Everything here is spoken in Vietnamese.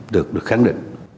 được khai hạ